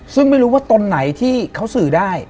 ซึ่งไม่รู้ว่าตนไหนที่เขาสื่อได้